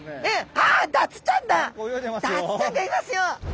ダツちゃんがいますよ！